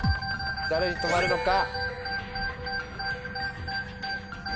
誰に止まるのか。